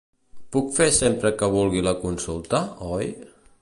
Puc fer sempre que vulgui la consulta, oi?